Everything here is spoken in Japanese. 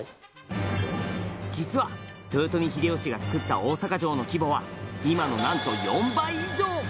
実は、豊臣秀吉がつくった大坂城の規模は今の、なんと４倍以上！